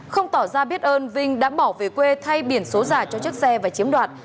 không tỏ ra biết ơn vinh đã bỏ về quê thay biển số giả cho chiếc xe và chiếm đoạt